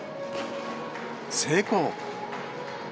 成功。